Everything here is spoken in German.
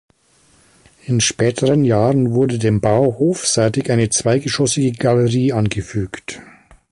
In späteren Jahren wurde dem Bau hofseitig eine zweigeschossige Galerie angefügt.